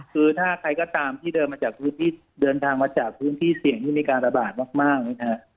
คือถ้าใครก็ตามที่เดินทางมาจากพื้นที่เสี่ยงที่มีการระบาดมากนะฮะ